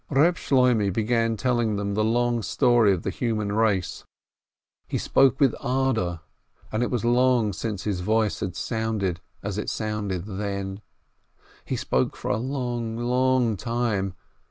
Eeb Shloimeh began telling them the long story of the human race, he spoke with ardor, and it was long since his voice had sounded as it sounded then. He spoke for a long, long time.